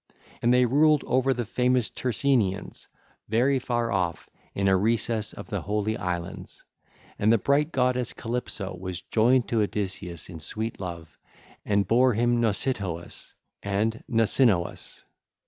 And they ruled over the famous Tyrenians, very far off in a recess of the holy islands. (ll. 1017 1018) And the bright goddess Calypso was joined to Odysseus in sweet love, and bare him Nausithous and Nausinous.